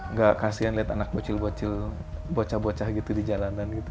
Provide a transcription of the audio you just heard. nggak kasihan liat anak bocil bocil bocah bocah gitu di jalanan gitu